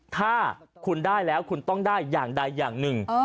ถ้าคุณได้แล้วคุณต้องได้อย่างใดอย่างหนึ่ง